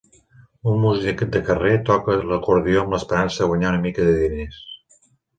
Un músic de carrer toca l'acordió amb l'esperança de guanyar una mica de diners.